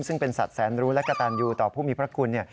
ซึ่งเป็นสัตว์แสนรู้และกระตันยูต่อผู้มีพระคุณ